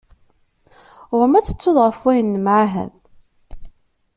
Ɣur-m ad tettuḍ ɣef wayen nemɛahad.